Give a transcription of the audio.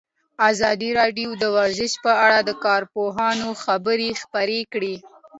ازادي راډیو د ورزش په اړه د کارپوهانو خبرې خپرې کړي.